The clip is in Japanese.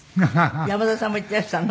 山田さんも行ってらしたの？